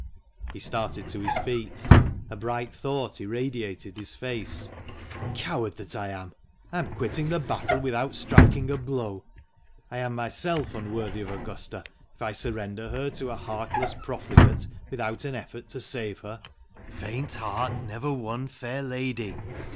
He started to his feet. A bright thought irradiated his face. " Coward that I am ! I am quitting the battle without striking a blow. I am myself unworthy of Augusta if I surrender her to a heartless profligate without an effort to save her. ' Faint heart never won fair lady.'